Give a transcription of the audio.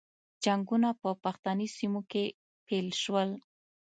جنګونه په پښتني سیمو کې پیل شول.